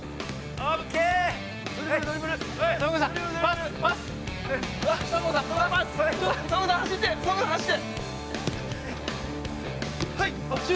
オッケー。